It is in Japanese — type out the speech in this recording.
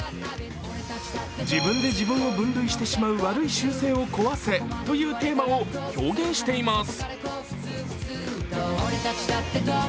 自分で自分を分類してしまう悪い習性を壊せというテーマを表現しています。